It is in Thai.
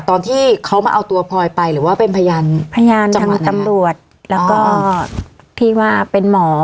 ตอนที่เขามาเอาตัวพลอยไปหรือว่าเป็นพยานพยานตำรวจแล้วก็ที่ว่าเป็นหมอ